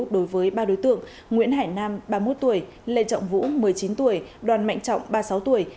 đối với ba đối tượng nguyễn hải nam ba mươi một tuổi lê trọng vũ một mươi chín tuổi đoàn mạnh trọng ba mươi sáu tuổi